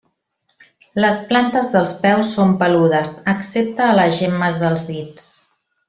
Les plantes dels peus són peludes, excepte a les gemmes dels dits.